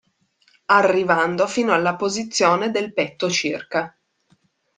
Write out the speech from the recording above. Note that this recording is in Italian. Arrivando fino alla posizione del petto circa.